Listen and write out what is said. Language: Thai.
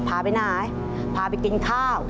ผ่าไปหน้าผ่าไปกินข้าว